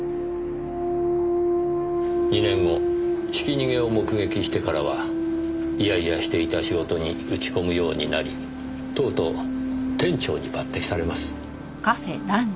２年後ひき逃げを目撃してからは嫌々していた仕事に打ち込むようになりとうとう店長に抜擢されます。